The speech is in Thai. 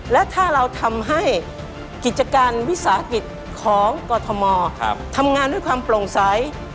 และถ้าเราทำให้กิจการวิสาหกิจของกรทมทำงานด้วยความโปร่งใส